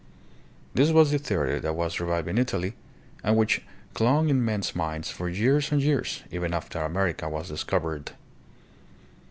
This was the theory that was revived in Italy and which clung in men's minds for years and years, even after America was discovered.